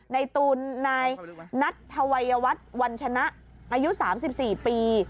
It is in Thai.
ตูนนายนัทธวัยวัฒน์วันชนะอายุ๓๔ปี